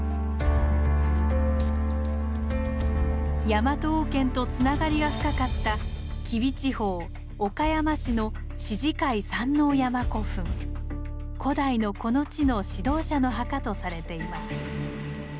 ヤマト王権とつながりが深かった吉備地方岡山市の古代のこの地の指導者の墓とされています。